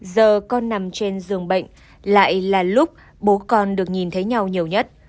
giờ con nằm trên giường bệnh lại là lúc bố con được nhìn thấy nhau nhiều nhất